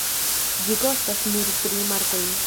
Ĝi kostas nur tri markojn.